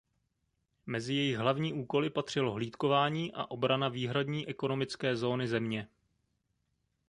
Mezi jejich hlavní úkoly patřilo hlídkování a obrana výhradní ekonomické zóny země.